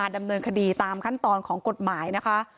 ดำเนินคดีตามขั้นตอนของกฎหมายนะคะ